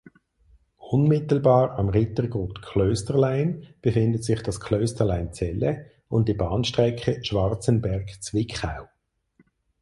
Unmittelbar am Rittergut Klösterlein befindet sich das Klösterlein Zelle und die Bahnstrecke Schwarzenberg–Zwickau.